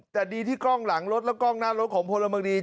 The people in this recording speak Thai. แต่ดีที่กล้องหลังรถและกล้องหน้ารถของพลเมืองดี